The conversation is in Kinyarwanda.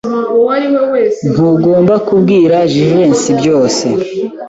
Ntugomba kubwira Jivency byose.